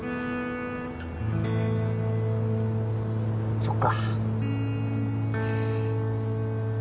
そっか。